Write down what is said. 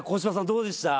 どうでした？